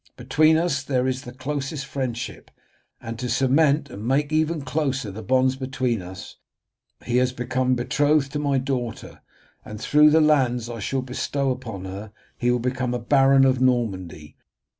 Between us there is the closest friendship, and to cement and make even closer the bonds between us, he has become betrothed to my daughter, and through the lands I shall bestow upon her he will become a baron of Normandy.